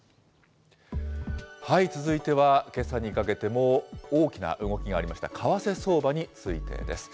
続いてはけさにかけても大きな動きがありました、為替相場についてです。